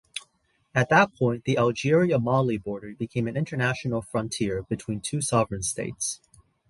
At that point the Algeria–Mali border became an international frontier between two sovereign states.